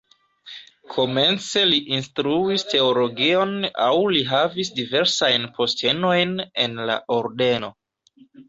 Komence li instruis teologion aŭ li havis diversajn postenojn en la ordeno.